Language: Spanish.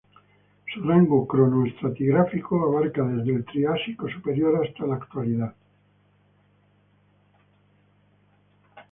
Su rango cronoestratigráfico abarca desde el Triásico superior hasta la actualidad.